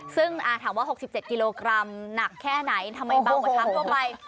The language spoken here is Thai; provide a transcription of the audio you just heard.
ซึ่งถามว่า๖๗กิโลกรัมหนักแค่ไหนทำไมเบากว่าช้างทั่วไป